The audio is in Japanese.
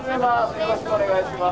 よろしくお願いします。